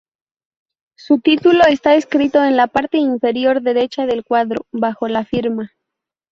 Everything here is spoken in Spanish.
Su título está escrito en la parte inferior derecha del cuadro, bajo la firma.